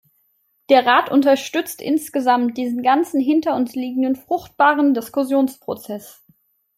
Der Rat unterstützt insgesamt diesen ganzen hinter uns liegenden fruchtbaren Diskussionsprozess.